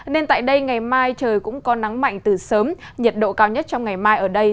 nên tại đây ngày mai trời cũng có nắng mạnh từ sớm nhiệt độ cao nhất trong ngày mai ở đây